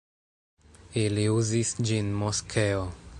Ili uzis ĝin moskeo.